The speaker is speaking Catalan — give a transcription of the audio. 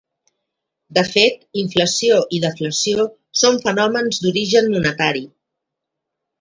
De fet, inflació i deflació són fenòmens d'origen monetari.